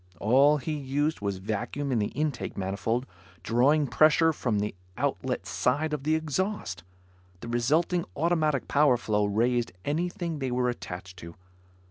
All he used was vacuum in the intake manifold, drawing pressure from the outlet side of the exhaust. The resulting automatic power flow raised anything they were attached to.